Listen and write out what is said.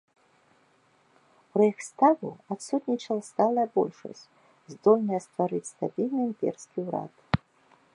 У рэйхстагу адсутнічала сталая большасць, здольная стварыць стабільны імперскі ўрад.